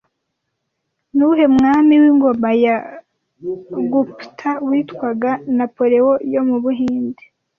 Ni uwuhe mwami w'ingoma ya Gupta witwaga 'Napolean yo mu Buhinde'